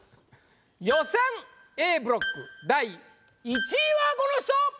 予選Ａブロック第１位はこの人！